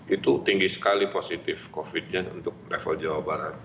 itu tinggi sekali positif covid nya untuk level jawa barat